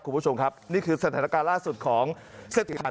คุณผู้ชมครับนี่คือสถานการณ์ล่าสุดของเศรษฐการณ์